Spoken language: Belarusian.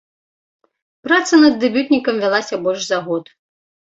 Праца над дэбютнікам вялася больш за год.